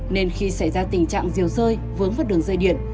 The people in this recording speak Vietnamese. nên khi xảy ra tình trạng diều rơi vướng vào đường dây điện